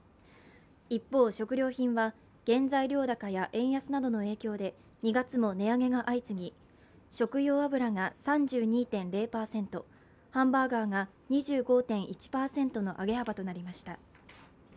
一方、食料品は、原材料高や円安などの影響で２月も値上げが相次ぎ、食用油が３２．０％ハンバーガーが２５．１％の上げ幅となりました。